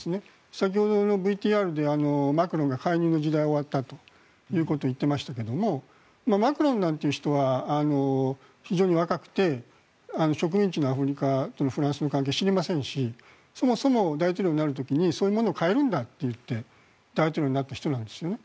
先ほどのＶＴＲで、マクロンが介入の時代は終わったということを言っていましたがマクロンなんていう人は非常に若くて植民地のアフリカとフランスの関係を知りませんしそもそも大統領になる時にそういうものを変えるんだと言って大統領になった人なんですね。